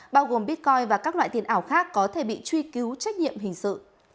bao gồm bitcoin và các loại tiền ảo khác có thể bị truy cứu trách nhiệm hình sự